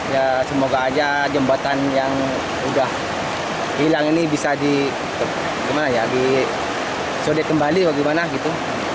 ya semoga aja jembatan yang udah hilang ini bisa disode kembali bagaimana gitu